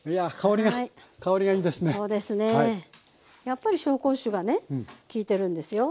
やっぱり紹興酒がね利いてるんですよ。